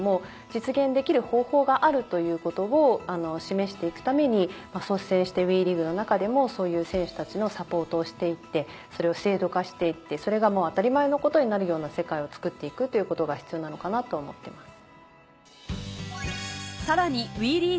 実現できる方法があるということを示して行くために率先してＷＥリーグの中でもそういう選手たちのサポートをして行ってそれを制度化して行ってそれが当たり前のことになるような世界を作って行くということが必要なのかなと思ってます。